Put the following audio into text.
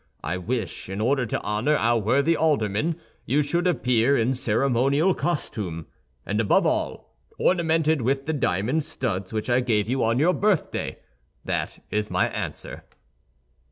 I wish, in order to honor our worthy aldermen, you should appear in ceremonial costume, and above all, ornamented with the diamond studs which I gave you on your birthday. That is my answer."